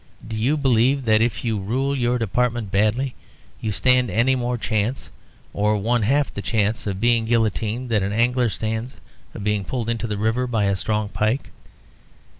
Do you believe that, if you rule your department badly, you stand any more chance, or one half of the chance, of being guillotined, that an angler stands of being pulled into the river by a strong pike?